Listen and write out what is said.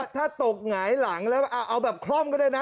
ถ้าตกหงายหลังแล้วก็เอาแบบคล่อมก็ได้นะ